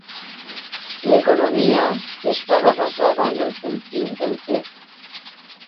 L'economia estava basada en el cultiu del te.